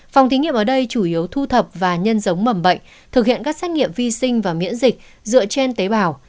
phòng thí nghiệm ở đây chủ yếu thu thập và nhân giống mầm bệnh thực hiện các xét nghiệm vi sinh và miễn dịch dựa trên tế bào